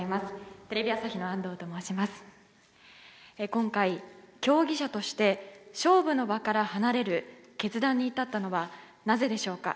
今回、競技者として勝負の場から離れる決断に至ったのはなぜでしょうか。